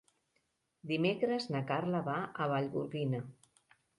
Dimecres na Carla va a Vallgorguina.